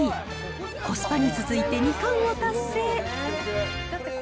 コスパに続いて２冠を達成。